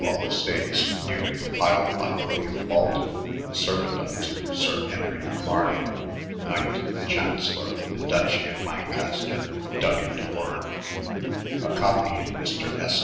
all estates, newly compyled by Wyllyam Walter, eeruaant vnto Syr Henry Mamaye, Knight, Chauncelonr of the Dutchye of Lancaatre," (W, de Worde : a copy in Mr. S.